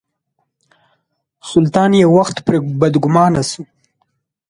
سلطان یو وخت پرې بدګومانه شو.